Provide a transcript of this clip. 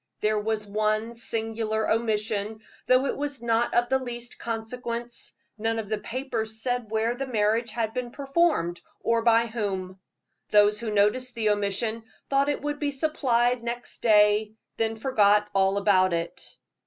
There was one singular omission, though it was not of the least consequence none of the papers said where the marriage had been performed, or by whom. Those who noticed the omission thought it would be supplied next day, then forgot all about it.